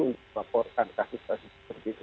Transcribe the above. untuk melaporkan kasus kasus seperti itu